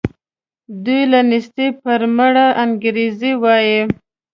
دوی له نېستي پر مړه انګرېږي وايي.